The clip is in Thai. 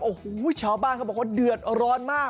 โอ้โหชาวบ้านเขาบอกว่าเดือดร้อนมาก